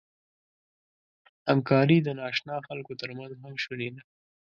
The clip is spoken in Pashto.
همکاري د ناآشنا خلکو تر منځ هم شونې ده.